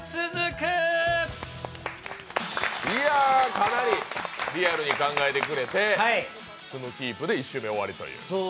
かなりリアルに考えてくれて住むキープで１週目終わりという。